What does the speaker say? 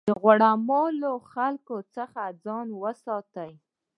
د غوړه مالو خلکو څخه ځان ساتئ.